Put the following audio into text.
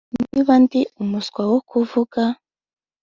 niba ndi umuswa wo kuvuga